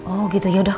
oh gitu yaudah